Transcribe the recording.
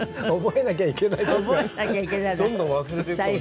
覚えなきゃいけない事が。